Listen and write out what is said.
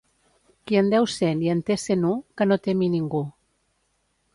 Qui en deu cent i en té cent u, que no temi ningú.